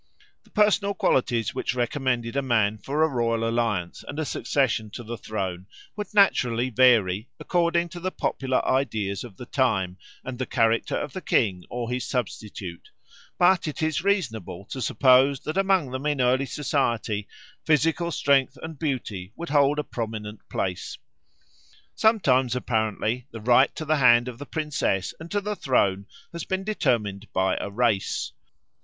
The personal qualities which recommended a man for a royal alliance and succession to the throne would naturally vary according to the popular ideas of the time and the character of the king or his substitute, but it is reasonable to suppose that among them in early society physical strength and beauty would hold a prominent place. Sometimes apparently the right to the hand of the princess and to the throne has been determined by a race.